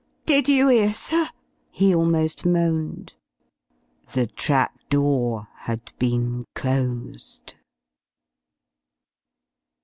"Did you 'ear, sir?" he almost moaned. The trap door had been closed.